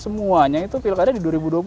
semuanya itu pilkada di dua ribu dua puluh